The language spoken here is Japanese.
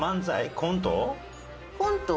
コント？